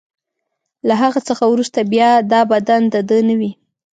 له هغه څخه وروسته بیا دا بدن د ده نه وي.